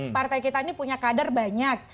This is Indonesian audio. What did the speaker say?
partai kita ini punya kader banyak